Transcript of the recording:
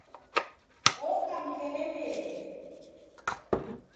Oka mkelemeri